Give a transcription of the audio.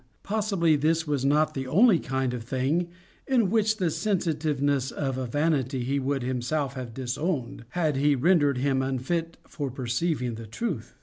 Possibly this was not the only kind of thing in which the sensitiveness of a vanity he would himself have disowned, had rendered him unfit for perceiving the truth.